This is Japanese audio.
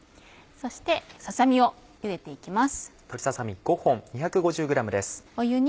そしてささ身を入れて行きます。